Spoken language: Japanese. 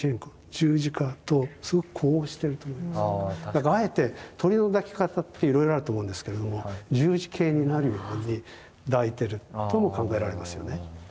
だからあえて鳥の抱き方っていろいろあると思うんですけれども十字形になるように抱いてるとも考えられますよね。